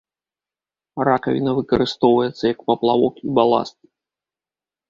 Ракавіна выкарыстоўваецца як паплавок і баласт.